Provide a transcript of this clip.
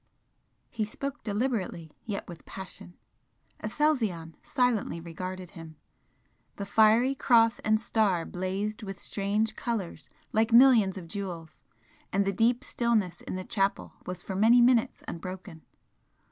He spoke deliberately, yet with passion. Aselzion silently regarded him. The fiery Cross and Star blazed with strange colours like millions of jewels, and the deep stillness in the chapel was for many minutes unbroken.